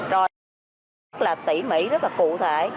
rồi rất là tỉ mỉ rất là cụ thể